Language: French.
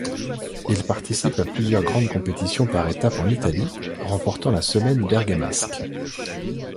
Il participe à plusieurs grandes compétitions par étapes en Italie, remportant la Semaine bergamasque.